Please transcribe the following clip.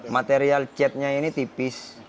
material catnya ini tipis